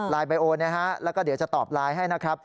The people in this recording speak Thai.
ไปโอนนะฮะแล้วก็เดี๋ยวจะตอบไลน์ให้นะครับ